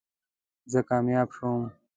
زه کامیاب شوم